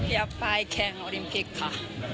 อยากไปแข่งโอลิมปิกค่ะ